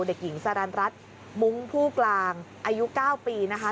เด็กหญิงสารันรัฐมุ้งผู้กลางอายุ๙ปีนะคะ